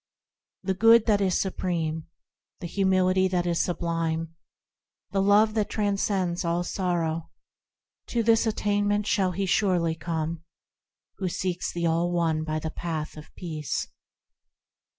The Good that is supreme, The Humility that is sublime, The love that transcends all sorrow,– To this attainment shall he surely come Who seeks the All One by the Path of Peace.